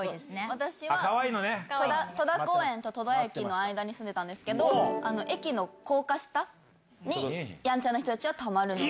私は戸田公園と戸田駅の間に住んでたんですけど、駅の高架下にやんちゃな人たちがたまるので。